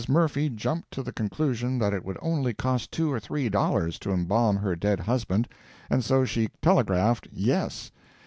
Murphy jumped to the conclusion that it would only cost two or three dollars to embalm her dead husband, and so she telegraphed "Yes."